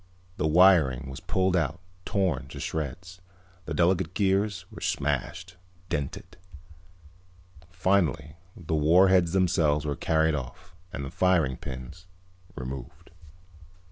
The wiring was pulled out, torn to shreds. The delicate gears were smashed, dented. Finally the warheads themselves were carried off and the firing pins removed.